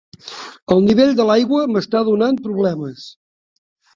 El nivell de l'aigua m'està donant problemes.